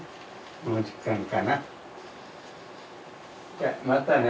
じゃあまたね。